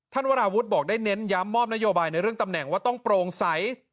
วราวุฒิบอกได้เน้นย้ำมอบนโยบายในเรื่องตำแหน่งว่าต้องโปร่งใส